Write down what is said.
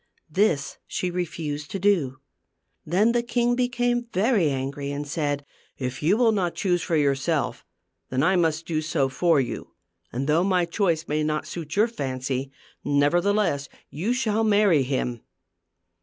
This she refused to do. Then the king became very angry and said, " If you will not choose for yourself, then I must do so for you ; and though my choice may not suit your fancy, nevertheless you shall marry him."